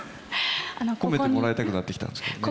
褒めてもらいたくなってきたんですけどね。